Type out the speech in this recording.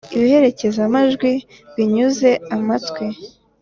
Ibiherekeza-majwi binyuze amatwi